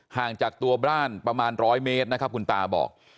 ห่างจากตัวบ้านประมาณ๑๐๐เมตรนะครับคุณตาบอก